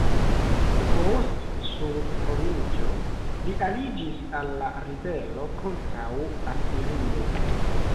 Post surtroniĝo, li aliĝis al la ribelo kontraŭ Asirio.